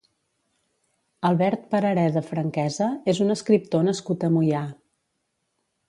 Albert Parareda Franquesa és un escriptor nascut a Moià.